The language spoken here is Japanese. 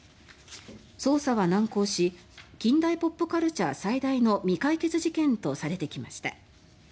捜査は難航し近代ポップカルチャー最大の未解決事件とされてきました。